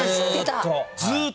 ずーっと。